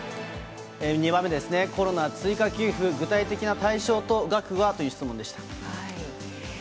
２番目ですね、コロナ追加給付、具体的な対象と額はという質問でした。